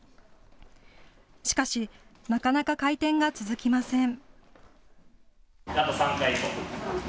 しかしなかなか回転が続きません。